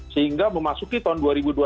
sehingga memasuki tahun dua ribu dua puluh